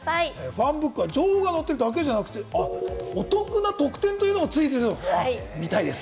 ファンブックは情報が載ってるだけじゃなくて、お得な特典というものもついているみたいです。